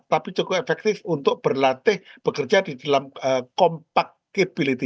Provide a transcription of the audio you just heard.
tapi cukup efektif untuk berlatih bekerja di dalam compackability